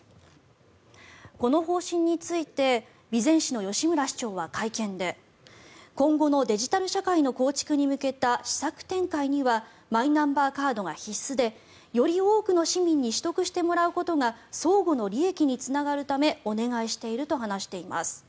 この方針について備前市の吉村市長は会見で今後のデジタル社会の構築に向けた施策展開にはマイナンバーカードが必須でより多くの市民に取得してもらうことが相互の利益につながるためお願いしていると話しています。